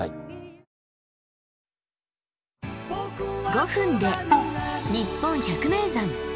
５分で「にっぽん百名山」。